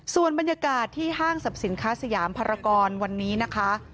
ส่วนบรรยากาศที่ห้างสรรพสินค้าสยามภารกรวันนี้นะคะ